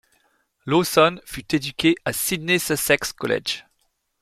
Lawson fut éduqué à Sydney Sussex College.